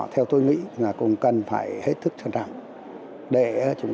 theo tôi nghĩ là cũng cần phải hết thức sẵn sàng